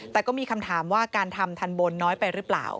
แต่ก็มีคำถามว่าการทำทันบนน้อยไปหรือเปล่า